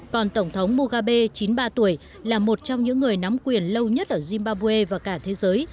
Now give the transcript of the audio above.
còn tổng thống mougabe chín mươi ba tuổi là một trong những người nắm quyền lâu nhất ở zimbabwe và cả thế giới